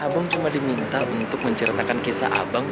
abang cuma diminta untuk menceritakan kisah abang